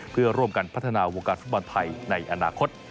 เพื่อร่วมกันพัฒนาวงการฟุตบอลไทยในอนาคต